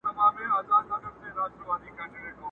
موده مخکي چي دي مړ سپین ږیری پلار دئ!.